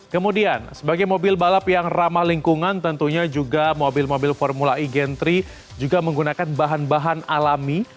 kemudian sebagai mobil balap yang ramah lingkungan tentunya juga mobil mobil formula e gentry juga menggunakan bahan bahan alami